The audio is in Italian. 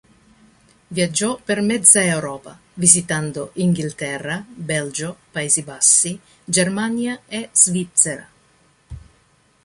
Viaggiò per mezza Europa visitando Inghilterra, Belgio, Paesi Bassi, Germania e Svizzera.